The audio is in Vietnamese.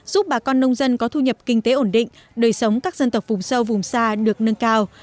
giúp bà con nông dân có thu nhập kinh tế ổn định đời sống các dân tộc vùng sâu vùng xa được nâng cao